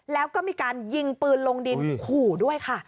แล้วก็มีการยิงปืนลงดินขู่ด้วยค่ะ